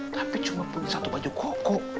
tapi cuma punya satu baju koko